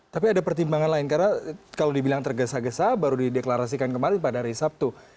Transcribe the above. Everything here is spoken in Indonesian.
tapi ada pertimbangan lain karena kalau dibilang tergesa gesa baru dideklarasikan kemarin pada hari sabtu